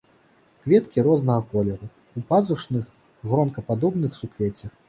Кветкі рознага колеру, у пазушных гронкападобных суквеццях.